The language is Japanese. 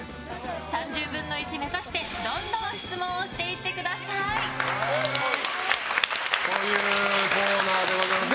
３０分の１目指してどんどん質問をしていってください！というコーナーでございます。